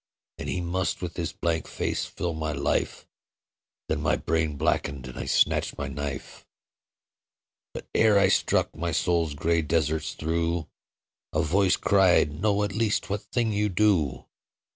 And he must with his blank face fill my life Then my brain blackened; and I snatched a knife. But ere I struck, my soul's grey deserts through A voice cried, 'Know at least what thing you do.'